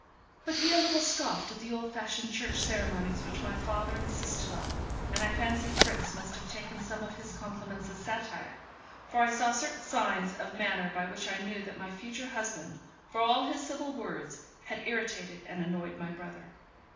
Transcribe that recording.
But he a little scoffed at the old fashioned church ceremonies which my father insisted on; and I fancy Fritz must have taken some of his compliments as satire, for I saw certain signs of manner by which I knew that my future husband, for all his civil words, had irritated and annoyed my brother.